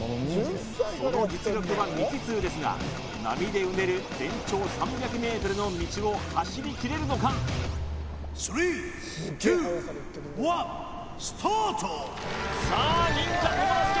その実力は未知数ですが波でうねる全長３００ｍの道を走り切れるのかさあ忍者・知之助